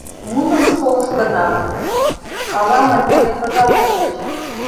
Муным шолыштынам — авамын чыве пыжашыж гыч...